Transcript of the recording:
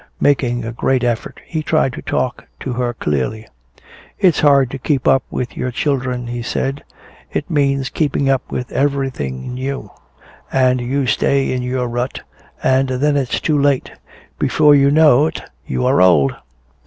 Making a great effort he tried to talk to her clearly. "It's hard to keep up with your children," he said. "It means keeping up with everything new. And you stay in your rut and then it's too late. Before you know it you are old."